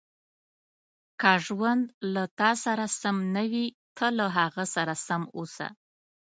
• که ژوند له تا سره سم نه وي، ته له هغه سره سم اوسه.